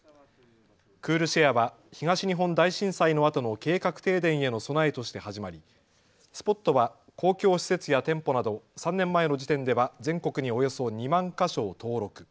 クールシェアは東日本大震災のあとの計画停電への備えとして始まりスポットは公共施設や店舗など３年前の時点では全国におよそ２万か所を登録。